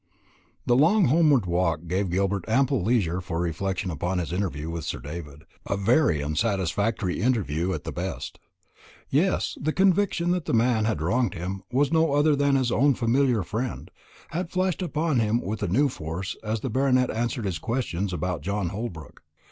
The long homeward walk gave Gilbert ample leisure for reflection upon his interview with Sir David; a very unsatisfactory interview at the best. Yes, the conviction that the man who had wronged him was no other than his own familiar friend, had flashed upon him with a new force as the Baronet answered his questions about John Holbrook.